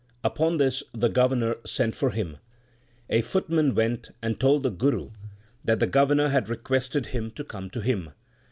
Upon this the Governor sent for him. A footman went and told the Guru that the Governor had requested him to come to him.